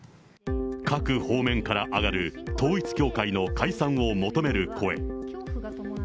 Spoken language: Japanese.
各方面から上がる、統一教会の解散を求める声。